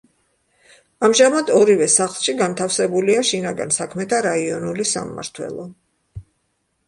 ამჟამად ორივე სახლში განთავსებულია შინაგან საქმეთა რაიონული სამმართველო.